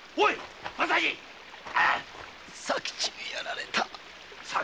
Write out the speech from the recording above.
政次佐吉にやられた。